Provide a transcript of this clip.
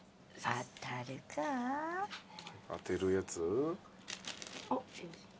当てるやつ？